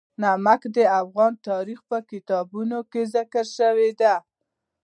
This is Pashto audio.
نمک د افغان تاریخ په کتابونو کې ذکر شوی دي.